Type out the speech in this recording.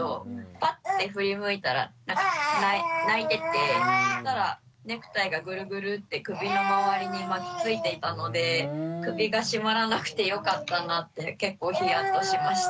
パッて振り向いたら泣いててそしたらネクタイがグルグルッて首の周りに巻きついていたので首が絞まらなくてよかったなって結構ヒヤッとしました。